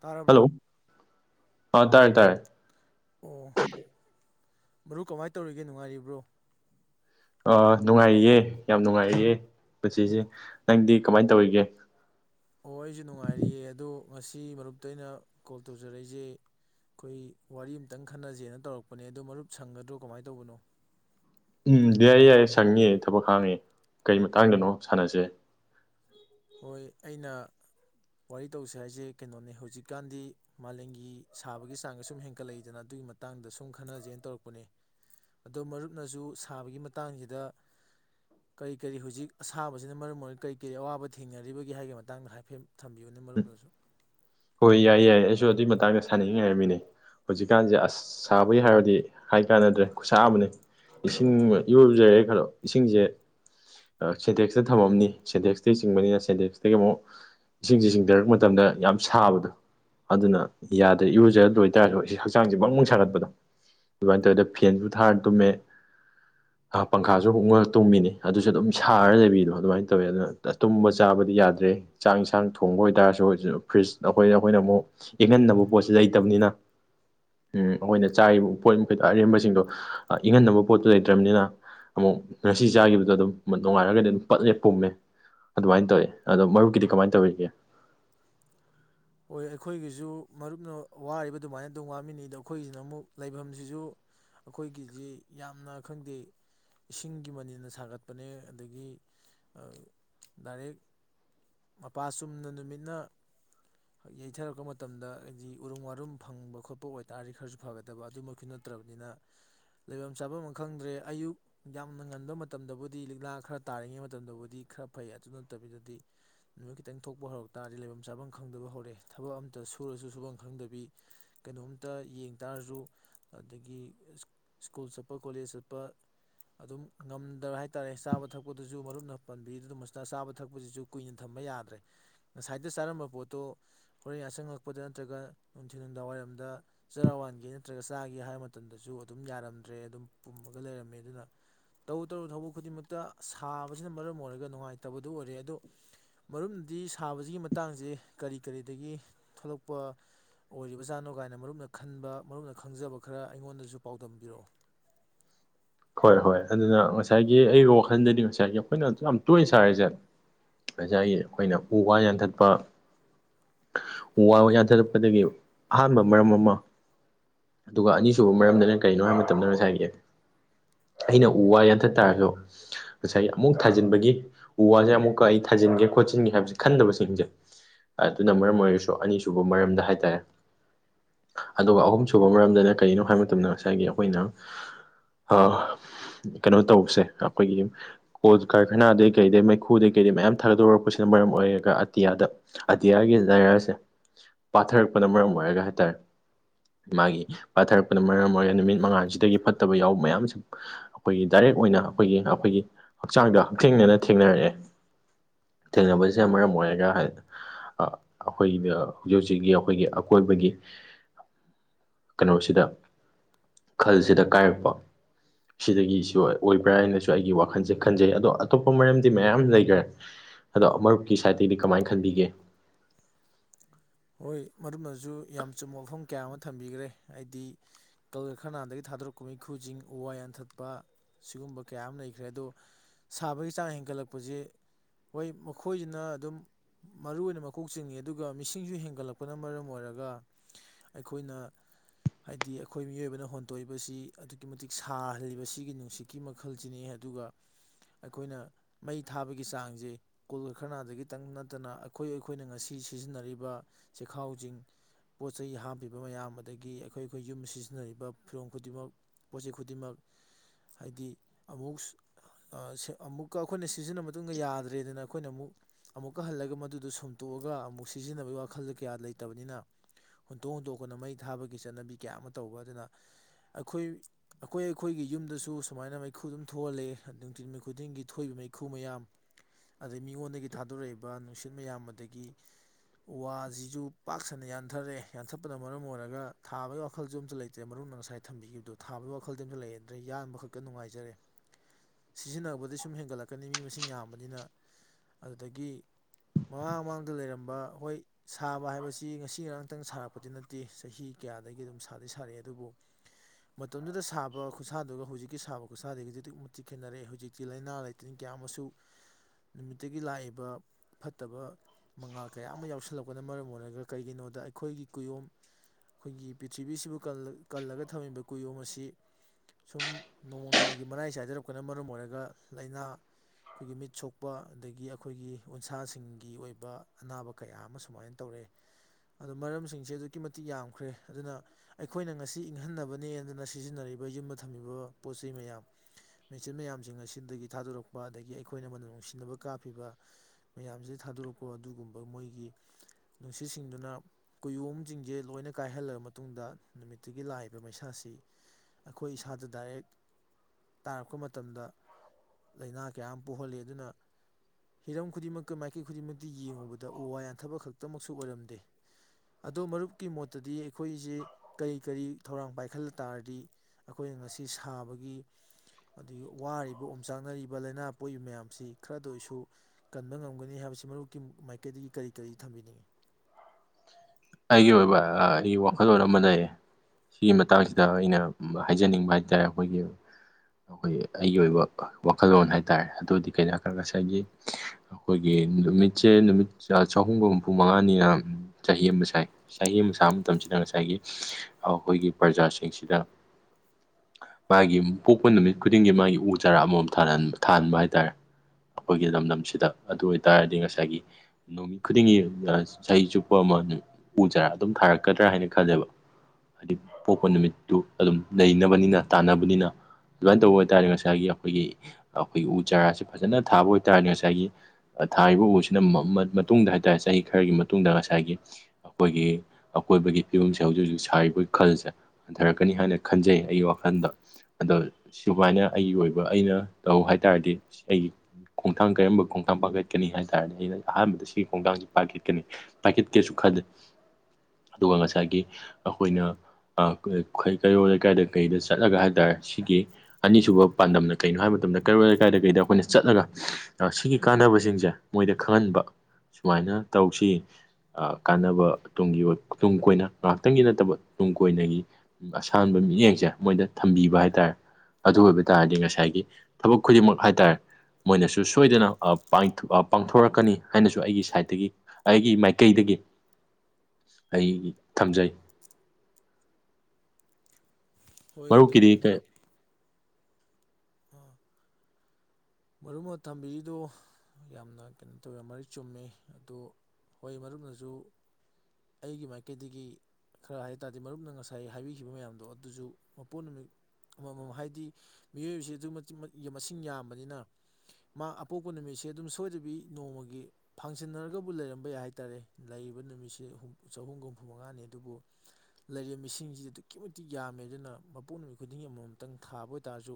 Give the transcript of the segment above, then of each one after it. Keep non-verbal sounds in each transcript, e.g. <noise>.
ꯇꯥꯔꯕ꯭ꯔꯣ ꯑ ꯇꯥꯥꯔꯦ ꯇꯥꯔꯦ <inaudible> ꯃꯔꯨꯝ ꯀꯃꯥꯏꯅ ꯇꯧꯔꯤꯒꯦ ꯅꯨꯡꯉꯥꯏꯔꯤꯕ꯭ꯔꯣ ꯑ ꯅꯨꯡꯉꯥꯏꯔꯤꯌꯦ ꯌꯥꯝ ꯅꯨꯡꯉꯥꯏꯔꯤꯌꯦ ꯄꯨꯟꯁꯤꯁꯦ ꯅꯪꯗꯤ ꯀꯃꯥꯏꯅ ꯇꯧꯔꯤꯒꯦ ꯑꯣ ꯑꯩꯁꯨ ꯅꯨꯡꯉꯥꯏꯔꯤꯌꯦ ꯑꯗꯨ ꯉꯁꯤ ꯃꯔꯨꯞꯇ ꯑꯩꯅ ꯀꯣꯜ ꯇꯧꯖꯔꯛꯏꯁꯦ ꯑꯩꯈꯣꯏ ꯋꯥꯔꯤ ꯑꯝꯇꯪ ꯈꯟꯅꯖ‌ꯦꯅ ꯇꯧꯔꯛꯄꯅꯦ ꯑꯗꯣ ꯃꯔꯨꯞ ꯁꯪꯒꯗ꯭ꯔꯣ ꯀꯃꯥꯏꯅ ꯇꯧꯕꯅꯣ ꯎꯝ ꯌꯥꯏ ꯌꯥꯏꯌꯦ ꯁꯪꯉ‌ꯦ ꯊꯕꯛ ꯍꯥꯡꯉꯦ ꯀꯔꯤ ꯃꯇꯥꯡꯒꯤꯅꯣ ꯁꯥꯟꯅꯁꯦ ꯍꯣꯏ ꯑꯩꯅ ꯋꯥꯔꯤ ꯇꯧꯁꯦ ꯍꯥꯏꯁꯦ ꯀꯩꯅꯣꯅꯦ ꯍꯧꯖꯤꯛꯀꯥꯟꯗꯤ ꯃꯥꯂꯦꯝꯒꯤ ꯁꯥꯕꯒꯤ ꯆꯥꯡ ꯑꯁꯨꯝ ꯍꯦꯟꯀꯠꯂꯛꯏꯗꯅ ꯑꯗꯨꯏ ꯃꯇꯥꯡꯗ ꯁꯨꯝ ꯈꯟꯅꯖꯦꯅ ꯇꯧꯔꯛꯄꯅꯦ ꯑꯗꯣ ꯃꯔꯨꯞꯅꯁꯨ ꯁꯥꯕꯒꯤ ꯃꯇꯥꯡꯁꯤꯗ ꯀꯔꯤ ꯀꯔꯤ ꯍꯧꯖꯤꯛ ꯑꯁꯥꯕꯁꯤꯅ ꯃꯔꯝ ꯑꯣꯏꯔꯒ ꯀꯔꯤ ꯀꯔꯤ ꯑꯋꯥꯕ ꯊꯦꯡꯅꯔꯤꯕꯒ‌ꯦ ꯍꯥꯏꯒꯤ ꯃꯇꯥꯡꯗ ꯍꯥꯏꯐ‌ꯦꯠ ꯊꯝꯕꯤꯌꯨꯅ‌ꯦ ꯃꯔꯨꯞꯅꯁꯨ ꯍꯣꯏ ꯌꯥꯏ ꯌꯥꯏ ꯑꯩꯁꯨ ꯑꯗꯨꯏ ꯃꯇꯥꯡꯗ ꯁꯥꯅꯅꯤꯡ ꯂꯩꯔꯝꯃꯤꯅꯦ ꯍꯧꯖꯤꯛꯀꯥꯟꯁꯦ ꯑꯁ ꯁꯥꯕꯒꯤ ꯍꯥꯏꯔꯨꯔꯗꯤ ꯍꯥꯏ ꯀꯥꯟꯅꯗ꯭ꯔꯦ ꯈꯨꯠꯁꯥ ꯑꯃꯅꯤ ꯏꯁꯤꯡ ꯏꯔ‌ꯣꯏꯕ ꯌꯥꯏꯌ‌ꯦ ꯈꯜꯂꯣ ꯏꯁꯤꯡꯁꯦ ꯁ‌ꯦꯟꯇꯦꯛꯁꯇ ꯊꯝꯃꯝꯅꯤ ꯁ‌ꯦꯟꯇꯦꯛꯁꯇꯒꯤ ꯆꯤꯡꯕꯅꯤꯅ ꯁꯦꯟꯇꯦꯛꯁꯇꯒꯤ ꯑꯃꯨꯛ ꯏꯁꯤꯡꯁꯦ ꯆꯤꯡꯊꯔꯛꯄ ꯃꯇꯝꯗ ꯌꯥꯝ ꯁꯥꯕꯗꯣ ꯑꯗꯨꯅ ꯌꯥꯗ꯭ꯔꯦ ꯏꯔꯨꯖꯔ ꯂꯣꯏꯇꯥꯔꯁꯨ ꯍ ꯍꯛꯆꯥꯡꯁꯦ ꯕꯪꯕꯪ ꯁꯥꯒꯠꯄꯗꯣ ꯑꯗꯨꯃꯥꯏꯅ ꯇꯧꯋꯦ ꯐꯦꯟꯁꯨ ꯊꯥꯔ ꯇꯨꯝꯃꯦ ꯄꯪꯈꯥꯁꯨ ꯍꯣꯡꯉꯒ ꯇꯨꯝꯃꯤꯅꯤ ꯑꯗꯨꯁꯨ ꯑꯗꯨꯝ ꯁꯥꯔ ꯂꯩꯕꯤꯗꯣ ꯑꯗꯨꯃꯥꯏꯅ ꯇꯧꯋꯦ ꯑꯗꯨꯅ ꯇꯨꯝꯕ ꯆꯥꯕꯗꯤ ꯌꯥꯗ꯭ꯔꯦ ꯆꯥꯛ ꯏꯟꯁꯥꯡ ꯊꯣꯡꯕ ꯑꯣꯏꯇꯥꯔꯁꯨ ꯐ꯭ꯔꯤꯖ ꯑꯩꯈꯣꯏ ꯑꯩꯈꯣꯏꯅ ꯑꯃꯨꯛ ꯏꯪꯍꯟꯅꯕ ꯄꯣꯠꯁꯤ ꯂꯩꯇꯕꯅꯤꯅ ꯑꯩꯈꯣꯏꯅ ꯆꯥꯔꯤꯕ ꯄꯣꯠ ꯃꯈꯩꯗ ꯑꯔꯦꯝꯕꯁꯤꯡꯗꯣ ꯏꯪꯍꯟꯅꯕ ꯄꯣꯠꯇꯨ ꯂꯩꯇ꯭ꯔꯕꯅꯤꯅ ꯑꯃꯨꯛ ꯉꯁꯤ ꯆꯥꯈꯤꯕꯗꯣ ꯑꯗꯨꯝ ꯅ‌ꯣꯡꯉꯥꯜꯂꯒꯗꯤ ꯑꯗꯨꯝ ꯄꯠꯂꯦ ꯄꯨꯝꯃꯦ ꯑꯗꯨꯃꯥꯏꯅ ꯇꯧꯋ‌ꯦ ꯑꯗꯣ ꯃꯔꯨꯞꯀꯤꯗꯤ ꯀꯃꯥꯏꯅ ꯇꯧꯔꯤꯒꯦ ꯍꯣꯏ ꯑꯩꯈꯣꯏꯒꯤꯁꯨ ꯃꯔꯨꯞꯅ ꯋꯥꯔꯤꯕ ꯑꯗꯨꯃꯥꯏꯅ ꯑꯗꯨꯝ ꯋꯥꯃꯤꯟꯅꯩꯗꯣ ꯑꯩꯈꯣꯏꯒꯤꯁꯤꯅ ꯑꯃꯨꯛ ꯂꯩꯐꯝꯁꯤꯁꯨ ꯑꯩꯈꯣꯏꯒꯤꯁꯤ ꯌꯥꯝꯅ ꯈꯪꯗꯦ ꯏꯁꯤꯡꯒꯤ ꯃꯅꯤꯟꯅ ꯁꯥꯒꯠꯄꯅꯦ ꯑꯗꯒꯤ ꯗꯥꯏꯔꯦꯛ ꯃꯄꯥ ꯆꯨꯝꯅ ꯅꯨꯃꯤꯠꯅ ꯌꯩꯊꯔꯛꯄ ꯃꯇꯝꯗ ꯍꯥꯏꯗꯤ ꯎꯔꯨꯝ ꯋꯥꯔꯨꯝ ꯐꯪꯕ ꯈꯣꯠꯄ ꯑꯣꯏꯇꯥꯥꯔꯗꯤ ꯈꯔꯁꯨ ꯐꯒꯗꯕ ꯑꯗꯨꯃꯛꯁꯨ ꯅꯠꯇ꯭ꯔꯕꯅꯤꯅ ꯂꯩꯐꯝ ꯆꯥꯐꯝ ꯑꯃ ꯈꯪꯗ꯭ꯔꯦ ꯑꯌꯨꯛ ꯌꯥꯝꯅ ꯉꯟꯕ ꯃꯇꯝꯗꯕꯨꯗꯤ ꯂꯤꯛꯂꯥ ꯈꯔ ꯇꯥꯔꯤꯉꯩ ꯃꯇꯝꯗꯕꯨꯗꯤ ꯈꯔ ꯐꯩ ꯑꯗꯨ ꯅꯠꯇꯕꯤꯗꯗꯤ ꯅꯨꯃꯤꯠ ꯈꯤꯇꯪ ꯊꯣꯛꯄ ꯍꯧꯔꯛ ꯇꯥꯔꯗꯤ ꯂꯩꯐꯝ ꯆꯥꯐꯝ ꯈꯪꯗꯕ ꯍꯧꯔꯛꯑꯦ ꯊꯕꯛ ꯑꯃꯇ ꯁꯨꯔꯁꯨ ꯁꯨꯐꯝ ꯈꯪꯗꯕꯤ ꯀꯩꯅꯣꯝꯇ ꯌꯦꯡ ꯇꯥꯔꯁꯨ ꯑꯗꯒꯤ ꯁ꯭ꯀꯨꯜ ꯆꯠꯄ ꯀꯣꯂꯦꯖ ꯆꯠꯄ ꯑꯗꯨꯝ ꯉꯝꯗꯕ ꯍꯥꯏꯇꯥꯔꯦ ꯆꯥꯕ ꯊꯛꯄꯗꯨꯁꯨ ꯃꯔꯨꯞꯅ ꯄꯟꯕꯤ ꯑꯗꯨ ꯃꯁꯤꯅ ꯆꯥꯕ ꯊꯛꯄꯁꯤꯁꯨ ꯀꯨꯏꯅ ꯊꯝꯕ ꯌꯥꯗ꯭ꯔꯦ ꯉꯁꯥꯏꯗ ꯆꯥꯔꯝꯕ ꯄꯣꯠ ꯇꯣ ꯍꯣꯔꯦꯟ ꯑꯆꯪꯉꯛꯄꯗ ꯅꯠꯇ꯭ꯔꯒ ꯅꯨꯡꯊꯤꯟ ꯅꯨꯡꯗꯥꯡꯋꯥꯏꯔꯝꯗ ꯆꯔꯥ ꯋꯥꯟꯒꯦ ꯅꯠꯇ꯭ꯔꯒ ꯆꯥꯒꯦ ꯍꯥꯏꯕ ꯃꯇꯝꯗꯁꯨ ꯑꯗꯨꯝ ꯌꯥꯔꯝꯗ꯭ꯔꯦ ꯑꯗꯨꯝ ꯄꯨꯝꯃꯒ ꯂꯩꯔꯝꯃꯦ ꯑꯗꯨꯅ ꯇꯧꯔꯨ ꯇꯧꯔꯨ ꯊꯕꯛ ꯈꯨꯗꯤꯡꯃꯛꯇ ꯁꯥꯕꯁꯤꯅ ꯃꯔꯝ ꯑꯣꯏꯔꯒ ꯅꯨꯡꯉꯥꯏꯇꯕꯗꯨ ꯑꯣꯏꯔꯦ ꯑꯗꯣ ꯃꯔꯨꯞꯅꯗꯤ ꯁꯥꯕꯁꯤꯒꯤ ꯃꯇꯥꯡꯁꯦ ꯀꯔꯤ ꯀꯔꯤꯗꯒꯤ ꯊꯣꯛꯂꯛꯄ ꯑꯣꯏꯔꯤꯕꯖꯥꯠꯅꯣ ꯀꯥꯏꯅ ꯃꯔꯨꯞꯅ ꯈꯟꯕ ꯃꯔꯨꯞꯅ ꯈꯪꯖꯕ ꯈꯔ ꯑꯩꯉꯣꯟꯗꯁꯨ ꯄꯥꯎꯗꯝꯕꯤꯔꯛꯑꯣ ꯍꯣꯏ ꯍꯣꯏ ꯑꯗꯨꯅ ꯉꯁꯥꯏꯒꯤ ꯑꯩꯒꯤ ꯋꯥꯈꯜꯗꯗꯤ ꯉꯁꯥꯏꯒꯤ ꯑꯩꯈꯣꯏꯅ ꯌꯥꯝ ꯇꯣꯏꯅ ꯁꯥꯔꯤꯁꯦ ꯉꯁꯥꯏꯒꯤ ꯑꯩꯈꯣꯏꯅ ꯎ ꯋꯥ ꯌꯥꯟꯊꯠꯄ ꯎ ꯋꯥ ꯌꯥꯟꯊꯠꯛꯄꯗꯒꯤ ꯑꯍꯥꯟꯕ ꯃꯔꯝ ꯑꯃ ꯑꯗꯨꯒ ꯑꯅꯤꯁꯨꯕ ꯃꯔꯝꯗꯅ ꯀꯔꯤꯅꯣ ꯍꯥꯏꯕ ꯃꯇꯝꯗ ꯉꯁꯥꯏꯒꯤ ꯑꯩꯅ ꯎ ꯋꯥ ꯌꯥꯟꯊꯠ ꯇꯥꯔꯁꯨ ꯉꯁꯥꯏꯒꯤ ꯑꯃꯨꯛ ꯊꯥꯖꯤꯟꯕꯒꯤ ꯎ ꯋꯥꯁꯦ ꯑꯃꯨꯛꯀ ꯑꯩ ꯊꯥꯖꯤꯟꯒꯦ ꯈꯣꯠꯆꯤꯟꯒꯦ ꯍꯥꯏꯕꯁꯦ ꯈꯟꯗꯕꯁꯤꯡꯁꯦ ꯑꯗꯨꯅ ꯃꯔꯝ ꯑꯣꯏꯔꯁꯨ ꯑꯅꯤꯁꯨꯕ ꯃꯔꯝꯗ ꯍꯥꯏ ꯇꯥꯔꯦ ꯑꯗꯨꯒ ꯑꯍꯨꯝ ꯁꯨꯕ ꯃꯔꯝꯗꯅ ꯀꯔꯤꯅꯣ ꯍꯥꯏꯕ ꯃꯇꯝꯗ ꯉꯁꯥꯏꯒꯤ ꯑꯩꯈꯣꯏꯅ ꯍ ꯀꯩꯅꯣ ꯇꯧꯕꯁꯦ ꯑꯩꯈꯣꯏꯒꯤ ꯀꯣꯜ ꯀꯔꯈꯅꯥꯗꯩ ꯀꯩꯗꯩ ꯃꯩꯈꯨꯗꯩ ꯀꯩꯗꯩ ꯃꯌꯥꯝ ꯊꯥꯒꯗꯣꯔꯛꯄꯁꯤꯅ ꯃꯔꯝ ꯑꯣꯏꯔꯒ ꯑꯇꯤꯌꯥꯗ ꯑꯇꯤꯌꯥꯒꯤ ꯂꯥꯏꯌꯥꯔꯁꯦ ꯄꯥꯊꯔꯛꯄꯅ ꯃꯔꯝ ꯑꯣꯏꯔꯒ ꯍꯥꯏꯇꯥꯔꯦ ꯃꯥꯒꯤ ꯄꯥꯊꯔꯛꯄꯅ ꯃꯔꯝ ꯑꯣꯏꯔꯒ ꯅꯨꯃꯤꯠ ꯃꯉꯥꯜꯁꯤꯗꯒꯤ ꯐꯠꯇꯕ ꯌꯥꯎꯕ ꯃꯌꯥꯝꯁ‌ꯦ ꯑꯩꯈꯣꯏꯒꯤ ꯗꯥꯏꯔꯦꯛ ꯑꯣꯏꯅ ꯑꯩꯈꯣꯏꯒꯤ ꯑꯩꯈꯣꯏꯒꯤ ꯍꯛꯆꯥꯡꯗ ꯍꯛꯊꯦꯡꯅꯅ ꯊꯦꯡꯅꯔꯛꯑꯦ ꯊꯦꯡꯅꯕꯁꯤꯅ ꯃꯔꯝ ꯑꯣꯏꯔꯒ ꯑꯩꯈꯣꯏꯒꯤ ꯍꯧꯖꯤꯛ ꯍꯧꯖꯤꯛꯀꯤ ꯑꯩꯈꯣꯏꯒꯤ ꯑꯀꯣꯏꯕꯒꯤ ꯀꯩꯅꯣꯁꯤꯗ ꯈꯜꯁꯤꯗ ꯀꯥꯏꯔꯛꯄ ꯁꯤꯗꯒꯤꯁꯨ ꯑꯣꯏꯕ꯭ꯔ ꯍꯥꯏꯅꯁꯨ ꯑꯩꯒꯤ ꯋꯥꯈꯜꯁꯦ ꯈꯟꯖꯩ ꯑꯗꯣ ꯑꯇꯣꯞꯄ ꯃꯔꯝꯗꯤ ꯃꯌꯥꯝ ꯂꯩꯈ꯭ꯔꯦ ꯑꯗꯣ ꯃꯔꯨꯞꯀꯤ ꯁꯥꯏꯠꯇꯒꯤꯗꯤ ꯀꯃꯥꯏꯅ ꯈꯟꯕꯤꯒꯦ ꯍꯣꯏ ꯃꯔꯨꯞꯅꯁꯨ ꯌꯥꯝ ꯆꯨꯝꯕ ꯋꯥꯐꯝ ꯀꯌꯥ ꯑꯃ ꯊꯝꯕꯤꯈ꯭ꯔꯦ ꯍꯥꯏꯗꯤ ꯀꯜ ꯀꯔꯈꯥꯅꯗꯒꯤ ꯊꯥꯗꯣꯔꯛꯄ ꯃꯩꯈꯨꯁꯤꯡ ꯎ ꯋꯥ ꯌꯥꯟꯊꯠꯄ ꯁꯤꯒꯨꯝꯕ ꯀꯌꯥ ꯑꯃ ꯂꯩꯈ꯭ꯔꯦ ꯑꯗꯣ ꯁꯥꯕꯒꯤ ꯆꯥꯡ ꯍꯦꯟꯒꯠꯂꯛꯄꯁꯦ ꯍꯣꯏ ꯃꯈꯣꯏꯁꯤꯅ ꯑꯗꯨꯝ ꯃꯔꯨ ꯑꯣꯏꯅ ꯃꯀꯣꯛ ꯆꯤꯡꯉꯤ ꯑꯗꯨꯒ ꯃꯤꯁꯤꯡꯁꯨ ꯍ ꯍꯦꯟꯒꯠꯂꯛꯄꯅ ꯃꯔꯝ ꯑꯣꯏꯔꯒ ꯑꯩꯈꯣꯏꯅ ꯍꯥꯏꯗꯤ ꯑꯩꯈꯣꯏ ꯃꯤꯑꯣꯏꯕꯅ ꯍꯣꯟꯇꯣꯛꯏꯕꯁꯤ ꯑꯗꯨꯛꯀꯤ ꯃꯇꯤꯛ ꯁꯥꯍꯜꯂꯤꯕ ꯁꯤꯒꯤ ꯅꯨꯡꯁꯤꯠꯀꯤ ꯃꯈꯜꯁꯤꯅꯤ ꯑꯗꯨꯒ ꯑꯩꯈꯣꯏꯅ ꯃꯩ ꯊꯥꯕꯒꯤ ꯆꯥꯡꯁꯦ ꯀꯣꯜ ꯈꯔꯅꯥꯗꯒꯤꯇꯪ ꯅꯠꯇꯅ ꯑꯩꯈꯣꯏ ꯑꯩꯈꯣꯏꯅ ꯉꯁꯤ ꯁꯤꯖꯤꯟꯅꯔꯤꯕ ꯆ‌ꯦꯈꯥꯎꯁꯤꯡ ꯄꯣꯠ ꯆꯩꯩ ꯍꯥꯞꯄꯤꯕ ꯃꯌꯥꯝ ꯑꯗꯒꯤ ꯑꯩꯈꯣꯏ ꯑꯩꯈꯣꯏ ꯌꯨꯝ ꯁꯤꯖꯤꯟꯅꯔꯤꯕ ꯐꯤꯔꯣꯜ ꯈꯨꯗꯤꯡꯃꯛ ꯄꯣꯠꯆꯩ ꯈꯨꯗꯤꯡꯃꯛ ꯍꯥꯏꯗꯤ ꯑꯃꯨꯛ ꯑꯃꯨꯛꯀ ꯑꯩꯈꯣꯏꯅ ꯁꯤꯖꯤꯟꯅꯕ ꯃꯇꯨꯡꯗ ꯌꯥꯗ꯭ꯔꯦꯗꯅ ꯑꯩꯈꯣꯏꯅ ꯑꯃꯨꯛ ꯑꯃꯨꯛꯀ ꯍꯜꯂꯒ ꯃꯗꯨꯗ ꯁꯨꯝꯇꯣꯛꯑꯒ ꯑꯃꯨꯛ ꯁꯤꯖꯤꯟꯅꯕꯩ ꯋꯥꯈꯜ ꯃꯈꯜꯗ ꯀꯌꯥ ꯂꯩꯇꯕꯅꯤꯅ ꯍꯨꯟꯇꯣꯛ ꯍꯨꯟꯇꯣꯛꯇꯅ ꯃꯩ ꯊꯥꯕꯒꯤ ꯆꯠꯅꯕꯤ ꯀꯌꯥ ꯑꯃ ꯇꯧꯕ ꯑꯗꯨꯅ ꯑꯩꯈꯣꯏ ꯑꯩꯈꯣꯏ ꯑꯩꯈꯣꯏꯒꯤ ꯌꯨꯝꯗꯁꯨ ꯁꯨꯃꯥꯏꯅ ꯃꯩꯈꯨ ꯑꯗꯨꯝ ꯊꯣꯛꯍꯜꯂꯦ ꯅꯨꯡꯊꯤꯟ ꯅꯨꯃꯤꯠ ꯈꯨꯗꯤꯡꯒꯤ ꯊꯣꯛꯏꯕ ꯃꯩꯈꯨ ꯃꯌꯥꯝ ꯑꯗꯩ ꯃꯤꯉꯣꯟꯗꯒꯤ ꯊꯥꯗꯣꯔꯛꯏꯕ ꯅꯨꯡꯁꯤꯠ ꯃꯌꯥꯝ ꯑꯗꯒꯤ ꯋꯥꯁꯤꯁꯨ ꯄꯥꯛ ꯁꯟꯅ ꯌꯥꯟꯊꯔꯦ ꯌꯥꯟꯊꯠꯄꯅ ꯃꯔꯝ ꯑꯣꯏꯔꯒ ꯊꯥꯕꯒꯤ ꯋꯥꯈꯜꯁꯨ ꯑꯝꯇ ꯂꯩꯇ꯭ꯔꯦ ꯃꯔꯨꯞꯅ ꯉꯁꯥꯏ ꯊꯝꯕꯤꯈꯤꯕꯗꯣ ꯊꯥꯕꯗ ꯋꯥꯈꯜꯗꯤ ꯑꯝꯇ ꯂꯩꯔꯝꯗ꯭ꯔꯦ ꯌꯥꯟꯕꯈꯛꯇ ꯅꯨꯡꯉꯥꯏꯖꯔꯦ ꯁꯤꯖꯤꯟꯅꯕꯗꯤ ꯁꯨꯝ ꯍꯦꯟꯒꯠꯂꯛꯀꯅꯤ ꯃꯤ ꯃꯁꯤꯡ ꯌꯥꯝꯕꯅꯤꯅ ꯑꯗꯨꯗꯒꯤ ꯃꯃꯥꯡ ꯃꯃꯥꯡꯗ ꯂꯩꯔꯝꯕ ꯍꯣꯏ ꯁꯥꯕ ꯍꯥꯏꯕꯁꯤ ꯉꯁꯤ ꯉꯔꯥꯡꯇꯪ ꯁꯥꯔꯛꯄꯗꯤ ꯅꯠꯇꯦ ꯆꯍꯤ ꯀꯌꯥꯗꯒꯤ ꯑꯗꯨꯝ ꯁꯥꯗꯤ ꯁꯥꯔꯛꯑꯦ ꯑꯗꯨꯕꯨ ꯃꯇꯝꯗꯨꯗ ꯁꯥꯕ ꯈꯨꯠꯁꯥꯗꯨꯒ ꯍꯧꯖꯤꯛꯀꯤ ꯁꯥꯕ ꯈꯨꯠꯁꯥꯗꯒꯤ ꯗꯨꯃꯇꯤꯛ ꯈꯦꯠꯅꯔꯛꯑꯦ ꯍꯧꯖꯤꯛꯇꯤ ꯂꯥꯏꯅꯥ ꯂꯥꯏꯇꯤꯟ ꯀꯌꯥ ꯑꯃꯁꯨ ꯅꯨꯃꯤꯠꯇꯒꯤ ꯂꯥꯛꯏꯕ ꯐꯠꯇꯕ ꯃꯉꯥꯜ ꯀꯌꯥ ꯑꯃ ꯌꯥꯎꯁꯤꯜ ꯄꯅ ꯃꯔꯝ ꯑꯣꯏꯔꯒ ꯀꯩꯒꯤꯅꯣꯗ ꯑꯩꯈꯣꯏꯒꯤ ꯀꯨꯌꯣꯝ ꯑꯩꯈꯣꯏꯒꯤ ꯄ꯭ꯔꯤꯊꯤꯕꯤꯁꯤꯕꯨ ꯀꯜꯂ ꯀꯜꯂꯒ ꯊꯝꯃꯤꯕ ꯀꯨꯌꯣꯝ ꯑꯁꯤ ꯁꯨꯝ ꯅꯣꯡꯃ ꯅꯣꯡꯃꯒꯤ ꯃꯔꯥꯏ ꯆꯥꯏꯊꯔꯛꯄꯅ ꯃꯔꯝ ꯑꯣꯏꯔꯒ ꯂꯥꯏꯅꯥ ꯑꯩꯈꯣꯏꯒꯤ ꯃꯤꯠ ꯁꯣꯛꯄ ꯑꯗꯒꯤ ꯑꯩꯈꯣꯏꯒꯤ ꯎꯟꯁꯥꯁꯤꯡꯒꯤ ꯑꯣꯏꯕ ꯑꯅꯥꯕ ꯀꯌꯥ ꯑꯃꯁꯨ ꯁꯨꯃꯥꯏꯅ ꯇꯧꯔꯛꯑꯦ ꯑꯗꯣ ꯃꯔꯝꯁꯤꯡꯁꯦ ꯑꯗꯨꯛꯀꯤ ꯃꯇꯤꯛ ꯌꯥꯝꯈ꯭ꯔꯦ ꯑꯗꯨꯅ ꯑꯩꯈꯣꯏꯅ ꯉꯁꯤ ꯏꯪꯍꯟꯅꯕꯅꯦ ꯑꯗꯨꯅ ꯁꯤꯖꯤꯟꯅꯔꯤꯕ ꯌꯨꯝꯗ ꯊꯝꯃꯤꯕ ꯄꯣꯠ ꯆꯩꯩ ꯃꯌꯥꯝ ꯃꯦꯆꯤꯟ ꯃꯌꯥꯝꯁꯤꯡ ꯑꯁꯤꯗꯒꯤ ꯊꯥꯗꯣꯔꯛꯄ ꯑꯗꯒꯤ ꯑꯩꯈꯣꯏꯅ ꯃꯅꯝ ꯅꯨꯡꯁꯤꯅꯕ ꯀꯥꯞꯕꯤꯕ ꯃꯌꯥꯝꯁꯤꯗꯒꯤ ꯊꯥꯗꯣꯔꯛꯄ ꯑꯗꯨꯒꯨꯝꯕ ꯃꯣꯏꯒꯤ ꯅꯨꯡꯁꯤꯠꯁꯤꯡꯗꯨꯅ ꯀꯨꯌꯣꯝꯁꯤꯡꯁꯦ ꯂꯣꯏꯅ ꯀꯥꯏꯍꯜꯂꯕ ꯃꯇꯨꯡꯗ ꯅꯨꯃꯤꯠꯇꯒꯤ ꯂꯥꯛꯏꯕ ꯃꯩꯁꯥꯁꯤ ꯑꯩꯈꯣꯏ ꯏꯁꯥꯗ ꯗꯥꯏꯔꯦꯛ ꯇꯥꯔꯛꯄ ꯃꯇꯝꯗ ꯂꯥꯏꯅꯥ ꯀꯌꯥ ꯑꯃ ꯄꯣꯛꯍꯜꯂꯤ ꯑꯗꯨꯅ ꯍꯤꯔꯝ ꯈꯨꯗꯤꯡꯃꯛꯀ ꯃꯥꯏꯀꯩ ꯈꯨꯗꯤꯡꯃꯛꯇꯤ ꯌꯦꯡꯉꯨꯕꯗ ꯎ ꯋꯥ ꯌꯥꯟ ꯊꯕꯛ ꯈꯛꯇꯃꯛꯁꯨ ꯑꯣꯏꯔꯝꯗꯦ ꯑꯗꯣ ꯃꯔꯨꯞꯀꯤ ꯃꯣꯠꯇꯗꯤ ꯑꯩꯈꯣꯏꯁꯤ ꯀꯔꯤ ꯀꯔꯤ ꯊꯧꯔꯥꯡ ꯄꯥꯏꯈꯠ ꯇꯥꯔꯗꯤ ꯑꯩꯈꯣꯏꯅ ꯉꯁꯤ ꯁꯥꯕꯒꯤ ꯑꯗꯨꯏ ꯋꯥꯔꯤꯕ ꯑꯣꯝꯆꯥꯛꯅꯔꯤꯕ ꯂꯥꯏꯅꯥ ꯄꯣꯛꯏꯕ ꯃꯌꯥꯝꯁꯤ ꯈꯔꯗ ꯑꯣꯏꯁꯨ ꯀꯟꯕ ꯉꯝꯒꯅꯤ ꯍꯥꯏꯕꯁꯤ ꯃꯔꯨꯞꯀꯤ ꯃꯥꯏꯀꯩꯗꯒꯤ ꯀꯔꯤ ꯀꯔꯤ ꯊꯝꯕꯤꯅꯤꯡꯉꯤ ꯑꯩꯒꯤ ꯑꯣꯏꯕ ꯑꯩꯒꯤ ꯋꯥꯈꯜꯂꯣꯟ ꯑꯃ ꯂꯩꯌꯦ ꯁꯤꯒꯤ ꯃꯇꯥꯡꯁꯤꯗ ꯑꯩꯅ ꯍꯥꯏꯖꯅꯤꯡꯕ ꯍꯥꯏ ꯇꯥꯔꯦ ꯑꯩꯈꯣꯏꯒꯤ ꯑꯩꯈꯣꯏꯒꯤ ꯑꯩꯒꯤ ꯑꯣꯏꯕ ꯋꯥꯈꯜꯂꯣꯟ ꯍꯥꯏ ꯇꯥꯔꯦ ꯑꯗꯨꯗꯤ ꯀꯩꯅꯣ ꯍꯥꯏꯀꯥꯟ ꯉꯁꯥꯏꯒꯤ ꯑꯩꯈꯣꯏꯒꯤ ꯅꯨꯃꯤꯠꯁꯦ ꯅꯨꯃꯤꯠ ꯆꯍꯨꯝꯒ ꯍꯨꯝꯐꯨ ꯃꯉꯥꯅꯤꯅ ꯆꯍꯤ ꯑꯃ ꯆ ꯉꯁꯥꯏ ꯆꯍꯤ ꯑꯃ ꯁꯥꯕ ꯃꯇꯝꯁꯤꯗ ꯉꯁꯥꯏꯒꯤ ꯑꯩꯈꯣꯏꯒꯤ ꯄ꯭ꯔꯖꯥꯁꯤꯡꯁꯤꯗ ꯃꯥꯒꯤ ꯄꯣꯛꯄ ꯅꯨꯃꯤꯠ ꯈꯨꯗꯤꯡꯒꯤ ꯃꯥꯒꯤ ꯎ ꯆꯥꯔꯥ ꯑꯃꯃꯝ ꯊꯥꯍꯟꯕ ꯍꯥꯏꯇꯥꯔꯦ ꯑꯩꯈꯣꯏꯒꯤ ꯂꯝꯗꯝꯁꯤꯗ ꯑꯗꯨ ꯑꯣꯏꯇꯥꯔꯗꯤ ꯉꯁꯥꯏꯒꯤ ꯅꯨꯃꯤꯠ ꯈꯨꯗꯤꯡꯒꯤ ꯆꯍꯤ ꯆꯨꯞꯄ ꯑꯃ ꯎ ꯆꯥꯔꯥ ꯑꯗꯨꯝ ꯊꯥꯔꯛꯀꯗ꯭ꯔꯥ ꯍꯥꯏꯅ ꯈꯜꯂꯦꯕ ꯍꯥꯏꯗꯤ ꯄꯣꯛꯄ ꯅꯨꯃꯤꯠꯇꯨ ꯑꯗꯨꯝ ꯂꯩꯅꯕꯅꯤꯅ ꯇꯥꯟꯅꯕꯅꯤꯅ ꯑꯗꯨꯃꯥꯏꯅ ꯇꯧꯕ ꯑꯣꯏꯇꯥꯥꯔꯗꯤ ꯉꯁꯥꯏꯒꯤ ꯑꯩꯈꯣꯏꯒꯤ ꯑꯩꯈꯣꯏꯒꯤ ꯎ ꯆꯥꯔꯥꯁꯦ ꯐꯖꯅ ꯊꯥꯕ ꯑꯣꯏ ꯇꯥꯔꯗꯤ ꯉꯁꯥꯏꯒꯤ ꯊꯥꯔꯤꯕ ꯎꯁꯤꯅ ꯃꯇꯨꯡꯗ ꯍꯥꯏꯇꯥꯥꯔꯦ ꯆꯍꯤ ꯈꯔꯒꯤ ꯃꯇꯨꯡꯗ ꯉꯁꯥꯏꯒꯤ ꯑꯩꯈꯣꯏꯒꯤ ꯑꯀꯣꯏꯕꯒꯤ ꯐꯤꯕꯝꯁꯦ ꯍꯧꯖꯤꯛ ꯍꯧꯖꯤꯛ ꯁꯥꯔꯤꯕ‌ꯣꯏ ꯈꯜꯂꯤꯁꯦ ꯍꯟꯊꯔꯛꯀꯅꯤ ꯍꯥꯏꯅ ꯈꯟꯖꯩ ꯑꯩꯒꯤ ꯋꯥꯈꯜꯗ ꯑꯗꯣ ꯁꯨꯃꯥꯏꯅ ꯑꯩꯒꯤ ꯑꯣꯏꯕ ꯑꯩꯅ ꯇꯧ ꯍꯥꯏ ꯇꯥꯔꯗꯤ ꯑꯩꯒꯤ ꯈꯣꯡꯊꯥꯡ ꯀꯔꯝꯕ ꯈꯣꯡꯊꯥꯡ ꯄꯥꯏꯈꯠꯀꯅꯤ ꯍꯥꯏ ꯇꯥꯔꯗꯤ ꯑꯩꯅ ꯑꯍꯥꯟꯕꯗ ꯁꯤꯒꯤ ꯈꯣꯡꯊꯥꯡꯁꯤ ꯄꯥꯏꯈꯠꯀꯅꯤ ꯄꯥꯏꯈꯠꯀꯦꯁꯨ ꯈꯜꯂꯤ ꯑꯗꯨꯒ ꯉꯁꯥꯏꯒꯤ ꯑꯩꯈꯣꯏꯅ ꯀꯩꯔꯣꯜ ꯂꯩꯀꯥꯏꯗ ꯀꯩꯗ ꯆꯠꯂꯒ ꯍꯥꯏꯇꯥꯥꯔꯦ ꯁꯤꯒꯤ ꯑꯅꯤꯁꯨꯕ ꯄꯥꯟꯗꯝꯅ ꯀꯩꯅꯣ ꯍꯥꯏꯕ ꯃꯇꯝꯗ ꯀꯩꯔꯣꯜ ꯂꯩꯀꯥꯏꯗ ꯀꯩꯗ ꯑꯩꯈꯣꯏꯅ ꯆꯠꯂꯒ ꯁꯤꯒꯤ ꯀꯥꯟꯅꯕꯁꯤꯡꯁꯦ ꯃꯣꯏꯗ ꯈꯪꯍꯟꯕ ꯁꯨꯃꯥꯏꯅ ꯇꯧꯁꯤ ꯀꯥꯟꯅꯕ ꯇꯨꯡꯒꯤ ꯇꯨꯡ ꯀꯣꯏꯅ ꯉꯥꯏꯍꯥꯛꯇꯪꯒꯤ ꯅꯠꯇꯕ ꯇꯨꯡ ꯀꯣꯏꯅꯒꯤ ꯑꯁꯥꯟꯕ ꯃꯤꯠꯌꯦꯡꯁꯦ ꯃꯣꯏꯗ ꯊꯝꯕꯤꯕ ꯍꯥꯏ ꯇꯥꯔꯦ ꯑꯗꯨ ꯑꯣꯏꯕ ꯇꯥꯔꯗꯤ ꯉꯁꯥꯏꯒꯤ ꯊꯕꯛ ꯈꯨꯗꯤꯡꯃꯛ ꯍꯥꯏ ꯇꯥꯔꯦ ꯃꯣꯏꯅꯁꯨ ꯁꯣꯏꯗꯅ ꯄꯥꯡꯊꯣꯔꯛꯀꯅꯤ ꯍꯥꯏꯅꯁꯨ ꯑꯩꯒꯤ ꯁꯥꯏꯠꯇꯒꯤ ꯑꯩꯒꯤ ꯃꯥꯏꯀꯩꯗꯒꯤ ꯑꯩ ꯊꯝꯖꯩ ꯍꯣꯏ ꯑꯗꯨ ꯃꯔꯨꯞꯀꯤꯗꯤ ꯀꯩ ꯃꯔꯨꯞ ꯃꯔꯨꯞꯅ ꯊꯝꯕꯤꯔꯤꯗꯣ ꯌꯥꯝꯅ ꯀꯩꯅꯣ ꯇꯧꯋꯦ ꯌꯥꯝ ꯃꯔꯤꯛ ꯆꯨꯝꯃꯦ ꯑꯗꯣ ꯍꯣꯏ ꯃꯔꯨꯞꯅꯁꯨ ꯑꯩꯒꯤ ꯃꯥꯏꯀꯩꯗꯒꯤ ꯈꯔ ꯍꯥꯏ ꯇꯥꯔꯗꯤ ꯃꯔꯨꯞꯅ ꯉꯁꯥꯏ ꯍꯥꯏꯕꯤꯈꯤꯕ ꯃꯌꯥꯝꯗꯣ ꯑꯗꯨꯁꯨ ꯃꯄꯨ ꯅꯨꯃꯤ ꯑꯃꯃꯝ ꯍꯥꯏꯗꯤ ꯃꯤꯑꯣꯏꯕꯁꯤ ꯑꯗꯨꯛꯀꯤ ꯃꯇꯤꯛ ꯃꯁꯤꯡ ꯌꯥꯝꯕꯅꯤꯅ ꯃꯥ ꯑꯄꯣꯛꯄ ꯅꯨꯃꯤꯠꯁꯦ ꯑꯗꯨꯝ ꯁꯣꯏꯗꯕꯤ ꯅꯣꯡꯃꯒꯤ ꯐꯥꯡꯁꯤꯟꯅꯔꯒꯕꯨ ꯂꯩꯔꯝꯕ ꯌꯥꯏ ꯍꯥꯏ ꯇꯥꯔꯦ ꯂꯩꯔꯤꯕ ꯅꯨꯃꯤꯠꯁ‌ꯦ ꯆꯍꯨꯝꯒ ꯍꯨꯝꯐꯨ ꯃꯉꯥꯅꯤ ꯑꯗꯨꯕꯨ ꯂꯩꯔ‌ꯦꯝꯕꯤꯁꯤꯡꯁꯤꯗꯤ ꯑꯗꯨꯛꯀꯤ ꯃꯇꯤꯛ ꯌꯥꯝꯃꯦ ꯑꯗꯨꯅ ꯃꯄꯣꯛ ꯅꯨꯃꯤꯠ ꯈꯨꯗꯤꯡꯒꯤ ꯑꯃꯃꯝꯇꯪ ꯊꯥꯕ ꯑꯣꯏꯇꯥꯥꯔꯁꯨ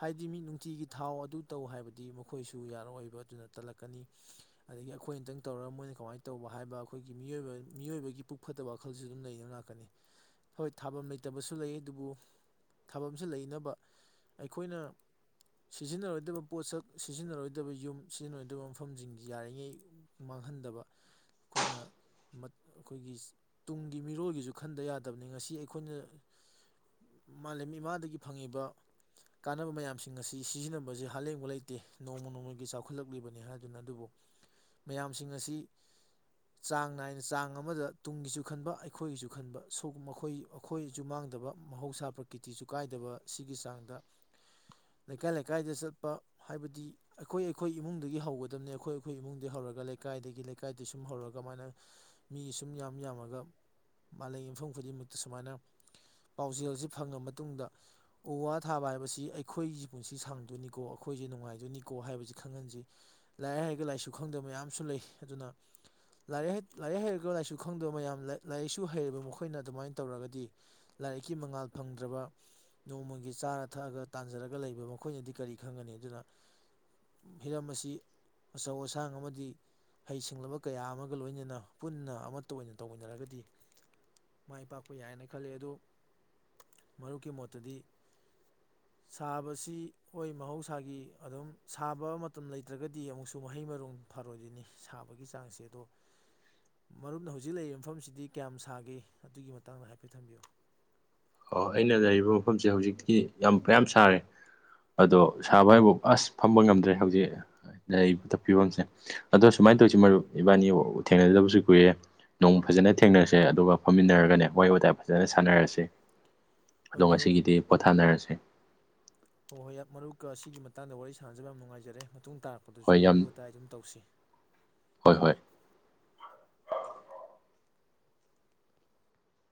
ꯍꯥꯏꯗꯤ ꯃꯤ ꯅꯨꯡꯇꯤꯒꯤ ꯊꯥꯎ ꯑꯗꯨ ꯇꯧ ꯍꯥꯏꯕꯗꯤ ꯃꯈꯣꯏꯁꯨ ꯌꯥꯔꯛꯑꯣꯏꯕ ꯑꯗꯨꯅ ꯇꯜꯂꯛꯀꯅꯤ ꯑꯗꯒꯤ ꯑꯩꯈꯣꯏ ꯑꯝꯇꯪ ꯇꯧꯔꯒ ꯃꯣꯏꯅ ꯀꯃꯥꯏꯅ ꯇꯧꯕ ꯍꯥꯏꯕ ꯑꯩꯈꯣꯏꯒꯤ ꯃꯤꯑꯣꯏꯕ ꯃꯤꯑꯣꯏꯕꯒꯤ ꯄꯨꯛ ꯐꯠꯇꯕ ꯋꯥꯈꯜꯁꯨ ꯑꯗꯨꯝ ꯂꯩꯅ ꯂꯥꯛꯀꯅꯤ ꯍꯣꯏ ꯊꯥꯐꯝ ꯂꯩꯇꯕꯁꯨ ꯂꯩ ꯑꯗꯨꯕꯨ ꯊꯥꯐꯝꯁꯤ ꯂꯩꯅꯕ ꯑꯩꯈꯣꯏꯅ ꯁꯤꯖꯤꯟꯅꯔꯣꯏꯗꯕ ꯄꯣꯠꯁꯛ ꯁꯤꯖꯤꯟꯅꯔꯣꯏꯗꯕ ꯌꯨꯝ ꯁꯤꯖꯤꯟꯅꯔꯣꯏꯗꯕ ꯃꯐꯝꯁꯤꯡ ꯌꯥꯔꯤꯉꯩ ꯃꯥꯡꯍꯟꯗꯕ ꯑꯩꯈꯣꯏꯅ ꯑꯩꯈꯣꯏꯒꯤ ꯇꯨꯡꯒꯤ ꯃꯤꯔꯣꯜꯒꯤꯁꯨ ꯈꯟꯗ ꯌꯥꯗꯕꯅꯤ ꯉꯁꯤ ꯑꯩꯈꯣꯏꯅ ꯃꯥꯂꯦꯝ ꯏꯃꯥꯗꯒꯤ ꯐꯪꯉꯤꯕ ꯀꯥꯟꯅꯕ ꯃꯌꯥꯝꯁꯤꯡ ꯑꯁꯤ ꯁꯤꯖꯤꯟꯅꯕꯁꯦ ꯍꯥꯂꯦꯡꯕ ꯂꯩꯇꯦ ꯅꯣꯡꯃ ꯅꯣꯡꯃꯒꯤ ꯆꯥꯎꯈꯠꯂꯛꯂꯤꯕꯅꯤ ꯍꯥꯏꯗꯨꯅ ꯑꯗꯨꯕꯨ ꯃꯌꯥꯝꯁꯤꯡ ꯑꯁꯤ ꯆꯥꯡ ꯅꯥꯏꯅ ꯆꯥꯡ ꯑꯃꯗ ꯇꯨꯡꯒꯤꯁꯨ ꯈꯟꯕ ꯑꯩꯈꯣꯏꯒꯤꯁꯨ ꯈꯟꯕ ꯁꯨꯝ ꯃꯈꯣꯏ ꯑꯩꯈꯣꯏꯁꯨ ꯃꯥꯡꯗꯕ ꯃꯍꯧꯁꯥ ꯄ꯭ꯔꯀꯤꯇꯤꯁꯨ ꯀꯥꯏꯗꯕ ꯁꯤꯒꯤ ꯆꯥꯡꯗ ꯂꯩꯀꯥꯏ ꯂꯩꯀꯥꯏꯗ ꯆꯠ ꯍꯥꯏꯕꯗꯤ ꯑꯩꯈꯣꯏ ꯑꯩꯈꯣꯏ ꯏꯃꯨꯡꯗꯒꯤ ꯍꯧꯒꯗꯕꯅꯤ ꯑꯩꯈꯣꯏ ꯑꯩꯈꯣꯏ ꯏꯃꯨꯡꯗꯒꯤ ꯍꯧꯔꯒ ꯂꯩꯀꯥꯏꯗꯒꯤ ꯂꯩꯀꯥꯏꯗ ꯁꯨꯝ ꯍꯧꯔꯒ ꯑꯗꯨꯃꯥꯏꯅ ꯃꯤ ꯁꯨꯝ ꯌꯥꯝ ꯌꯥꯝꯃꯒ ꯃꯥꯂꯦꯝꯒꯤ ꯃꯐꯝ ꯈꯨꯗꯤꯡꯃꯛꯇ ꯁꯨꯃꯥꯏꯅ ꯄꯥꯎꯖꯦꯜꯁꯤ ꯐꯪꯉ ꯃꯇꯨꯡꯗ ꯎ ꯋꯥ ꯊꯥꯕ ꯍꯥꯏꯕꯁꯤ ꯑꯩꯈꯣꯏꯒꯤ ꯄꯨꯟꯁꯤ ꯁꯥꯡꯗꯣꯏꯅꯤꯀꯣ ꯑꯩꯈꯣꯏꯁꯦ ꯅꯨꯡꯉꯥꯏꯗꯣꯏꯅꯤꯀꯣ ꯍꯥꯏꯕꯁꯤ ꯈꯪꯍꯟꯁꯤ ꯂꯥꯏꯔꯤꯛ ꯍꯩꯔꯒ ꯂꯥꯏꯁꯨ ꯈꯪꯗꯕ ꯃꯌꯥꯝꯁꯨ ꯂꯩ ꯑꯗꯨꯅ ꯂꯥꯏꯔꯤꯛ ꯂꯥꯏꯔꯤꯛ ꯍꯩꯔꯒ ꯂꯥꯏꯁꯨ ꯈꯪꯗꯕ ꯃꯌꯥꯝ ꯂꯥꯏꯔꯤꯛꯁꯨ ꯍꯩꯔꯕ ꯃꯈꯣꯏꯅ ꯑꯗꯨꯃꯥꯏꯅ ꯇꯧꯔꯒꯗꯤ ꯂꯥꯏꯔꯤꯛꯀꯤ ꯃꯉꯥꯜ ꯐꯪꯗ꯭ꯔꯕ ꯅꯣꯡꯃꯒꯤ ꯆꯥꯔ ꯊꯛꯑꯒ ꯇꯥꯟꯖꯔꯒ ꯂꯩꯕ ꯃꯈꯣꯏꯅꯗꯤ ꯀꯔꯤ ꯈꯪꯒꯅꯤ ꯑꯗꯨꯅ ꯍꯤꯔꯝ ꯑꯁꯤ ꯑꯆꯧ ꯑꯁꯥꯡ ꯑꯃꯗꯤ ꯍꯩ ꯁꯤꯡꯡꯂꯕ ꯀꯌꯥ ꯑꯃꯒ ꯂꯣꯏꯅꯅ ꯄꯨꯟꯅ ꯑꯃꯠꯇ ꯑꯣꯏꯅ ꯇꯧꯃꯤꯟꯅꯔꯒꯗꯤ ꯃꯥꯏ ꯄꯥꯛꯄ ꯌꯥꯏꯌꯦꯅ ꯈꯜꯂꯤ ꯑꯗꯨ ꯃꯔꯨꯞꯀꯤ ꯃꯣꯠꯇꯗꯤ ꯁꯥꯕꯁꯤ ꯍꯣꯏ ꯃꯍꯧꯁꯥꯒꯤ ꯑꯗꯨꯝ ꯁꯥꯕ ꯃꯇꯝ ꯂꯩꯇ꯭ꯔꯒꯗꯤ ꯑꯃꯨꯛꯁꯨ ꯃꯍꯩ ꯃꯔꯣꯡ ꯐꯔꯣꯏꯗꯅꯤ ꯁꯥꯕꯒꯤ ꯆꯥꯡꯁꯦ ꯑꯗꯣ ꯃꯔꯝꯅ ꯍꯧꯖꯤꯛ ꯂꯩꯔꯤꯕ ꯃꯐꯝꯁꯤꯗꯤ ꯀꯌꯥꯝ ꯁꯥꯒꯦ ꯑꯗꯨꯒꯤ ꯃꯇꯥꯡꯗ ꯍꯥꯏꯐꯦꯠ ꯊꯝꯕꯤꯌꯨ ꯑꯣ ꯑꯩꯅ ꯂꯩꯔꯤꯕ ꯃꯐꯝꯁꯦ ꯍꯧꯖꯤꯛꯇꯤ ꯌꯥꯝ ꯃꯌꯥꯝ ꯁꯥꯔꯦ ꯑꯗꯣ ꯁꯥꯕ ꯍꯥꯏꯕꯨ ꯑꯁ ꯐꯝꯕ ꯉꯝꯗ꯭ꯔꯦ ꯍꯧꯖꯤꯛ ꯂꯩꯔꯤꯕ ꯐꯤꯕꯝꯁꯦ ꯑꯗꯣ ꯁꯨꯃꯥꯏꯅ ꯇꯧꯁꯤ ꯃꯔꯨꯞ ꯏꯕꯥꯅꯤꯕꯨ ꯊꯦꯡꯅꯗꯕꯁꯨ ꯀꯨꯏꯔꯦ ꯅꯣꯡ ꯐꯖꯅ ꯊꯦꯡꯅꯔꯁꯦ ꯑꯗꯨꯒ ꯐꯝꯃꯤꯟꯅꯔꯒꯅꯦ ꯋꯥꯔꯤꯍ ꯋꯥꯇꯥꯏ ꯐꯖꯅ ꯁꯥꯟꯅꯔꯁꯦ ꯍꯣꯏ ꯑꯗꯣ ꯃꯔꯨꯞ ꯉꯁꯤꯒꯤꯗꯤ ꯄꯣꯊꯥꯅꯔꯁꯦ ꯍꯣꯏ ꯍꯣꯏ ꯃꯔꯨꯞꯀ ꯑꯁꯤꯒꯤ ꯃꯇꯥꯡꯗ ꯋꯥꯔꯤ ꯁꯥꯟꯅꯖꯕ ꯌꯥꯝ ꯅꯨꯡꯉꯥꯏꯖꯔꯦ ꯃꯇꯨꯡ ꯇꯥꯔꯛꯄꯗꯁꯨ ꯍꯣꯏ ꯌꯥꯝ ꯋꯥꯔꯤ ꯋꯥꯋꯇꯥꯏ ꯑꯗꯨꯝ ꯇꯧꯁꯤ ꯍꯣꯏ ꯍꯣꯏ